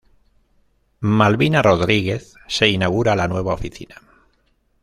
Malvina Rodríguez se inaugura la nueva oficina.